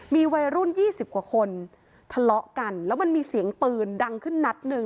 มีวัยรุ่น๒๐กว่าคนทะเลาะกันแล้วมันมีเสียงปืนดังขึ้นนัดหนึ่ง